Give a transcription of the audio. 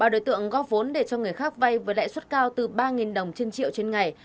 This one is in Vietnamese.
ba đối tượng góp vốn để cho người khác vay với lãi suất cao từ ba đồng trên triệu trên ngày